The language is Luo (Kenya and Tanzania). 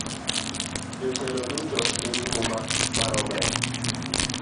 Jotelo duto nigi huma maromre.